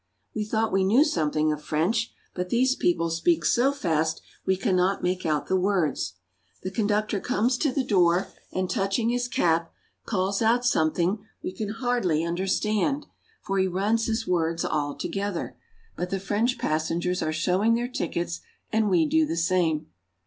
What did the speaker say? We thought we knew something of French, but these people speak so fast we cannot make out the words. The conductor comes to the door, and touching his cap, calls out something we can hardly under stand, for he runs his words all together ; but the French passengers are showing their tickets, and we do the same.